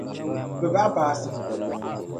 Bɛ bahi paasi.